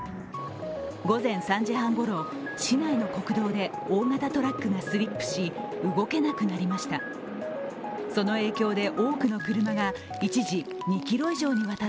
午前３時半ごろ、市内の国道で大型トラックがスリップし、動けなくなりました。